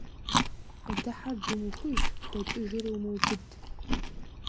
Къыдыхьэр думыхуж, дэкӀыжыр умыубыд.